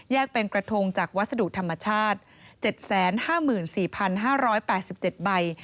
เป็นกระทงจากวัสดุธรรมชาติ๗๕๔๕๘๗ใบ